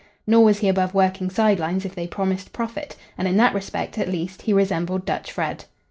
Nor was he above working side lines if they promised profit, and in that respect, at least, he resembled Dutch Fred.